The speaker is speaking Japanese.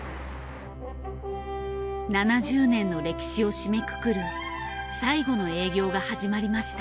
７０年の歴史を締めくくる最後の営業が始まりました。